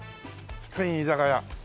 スペイン居酒屋。